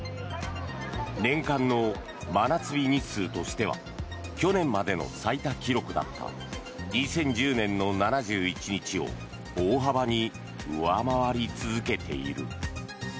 年間の真夏日日数としては去年までの最多記録だった２０１０年の７１日を大幅に上回り続けている。